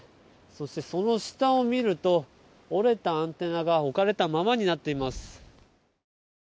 そして、その下を見ると折れたアンテナが置かれたままになっています。